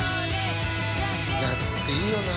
夏っていいよな。